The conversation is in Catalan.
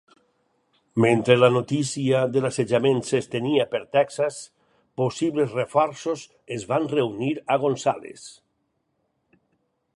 Mentre la notícia de l'assetjament s'estenia per Texas, possibles reforços es van reunir a Gonzales.